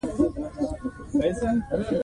پکتیکا د افغان ځوانانو د هیلو استازیتوب کوي.